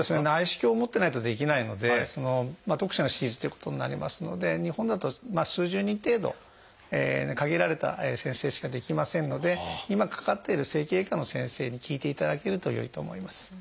内視鏡を持ってないとできないので特殊な手術ということになりますので日本だと数十人程度の限られた先生しかできませんので今かかっている整形外科の先生に聞いていただけるとよいと思います。